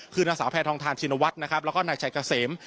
คือนางสาวแพทองทานชินวัฒน์นะครับแล้วก็นายชัยเกษม